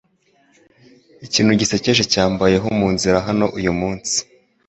Ikintu gisekeje cyambayeho munzira hano uyumunsi.